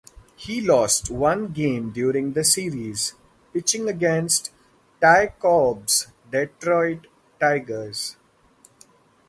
He lost one game during the Series, pitching against Ty Cobb's Detroit Tigers.